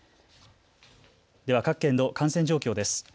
では各県の感染状況です。